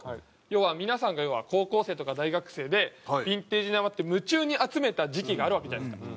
要は皆さんが高校生とか大学生でヴィンテージにハマって夢中に集めた時期があるわけじゃないですか。